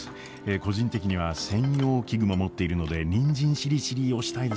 個人的には専用器具も持っているのでにんじんしりしりーを推したいですね。